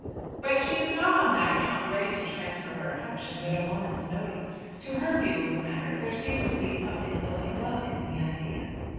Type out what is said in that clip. "But she is not on that account ready to transfer her affections at a moment's notice. To her view of the matter there seems to be something a little indelicate in the idea."